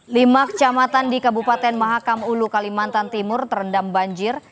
lima kecamatan di kabupaten mahakam ulu kalimantan timur terendam banjir